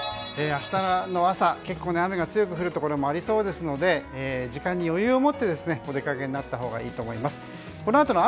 明日の朝雨が強く降るところもありそうですので時間に余裕を持ってお出かけになったほうがいいと思います。